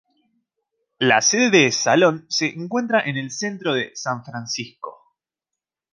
La sede de "Salon" se encuentra en el centro de San Francisco.